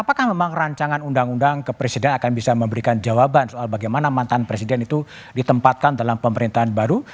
apakah memang rancangan undang undang kepresiden akan bisa memberikan jawaban soal bagaimana mantan presiden itu ditempatkan dalam pemerintahan baru